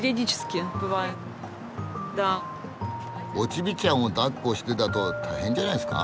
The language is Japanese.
オチビちゃんをだっこしてだと大変じゃないすか？